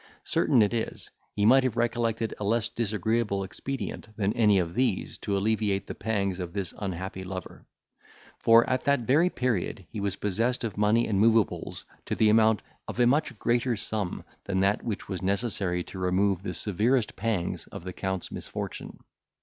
Certain it is, he might have recollected a less disagreeable expedient than any of these to alleviate the pangs of this unhappy lover; for, at that very period he was possessed of money and moveables to the amount of a much greater sum than that which was necessary to remove the severest pangs of the Count's misfortune.